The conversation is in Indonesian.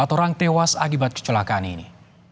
empat orang tewas akibat kecelakaan ini